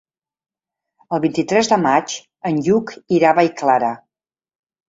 El vint-i-tres de maig en Lluc irà a Vallclara.